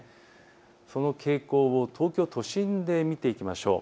その傾向を東京都心で見ていきましょう。